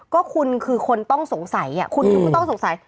ก็คุณคือคนต้องสงสัยคุณคือผู้ต้องสงสัย